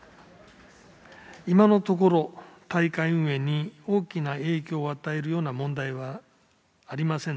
今のところ、大会運営に大きな影響を与えるような問題はありません